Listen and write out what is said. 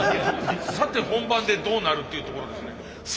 さて本番でどうなる？っていうところですね。